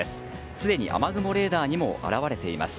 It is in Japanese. すでに雨雲レーダーにも現れています。